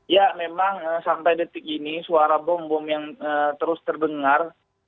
ya memang sampai detik ini suara bom bom yang terus terdengar